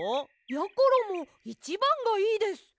やころもいちばんがいいです！